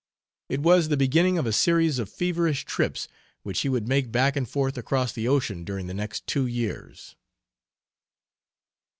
It was the beginning of a series of feverish trips which he would make back and forth across the ocean during the next two years.